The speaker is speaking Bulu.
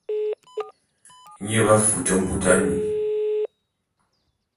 Nye b'afute mbut anyu.